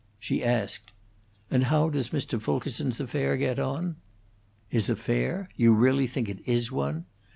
She asked, "And how does Mr. Fulkerson's affair get on?" "His affair? You really think it is one?